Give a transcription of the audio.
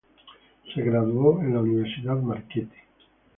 Se gradúo en la Universidad Marquette.